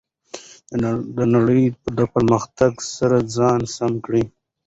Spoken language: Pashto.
د نړۍ د پرمختګ سره ځان سم کړئ.